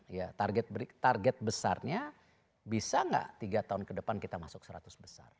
ya target besarnya bisa nggak tiga tahun ke depan kita masuk seratus besar